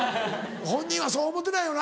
本人はそう思ってないよな